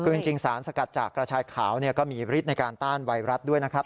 คือจริงสารสกัดจากกระชายขาวก็มีฤทธิในการต้านไวรัสด้วยนะครับ